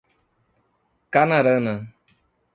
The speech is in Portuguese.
Canarana